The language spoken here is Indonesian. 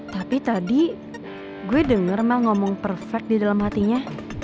tapi tadi gue denger mah ngomong perfect di dalam hatinya